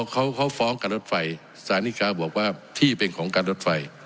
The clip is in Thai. เขาฟ้องกับรถไฟสานิกาบอกว่าที่เป็นของการรถไฟ